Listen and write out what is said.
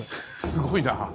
すごいな。